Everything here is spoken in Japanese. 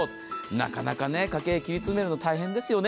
なかなか家計を切り詰めるの大変ですよね。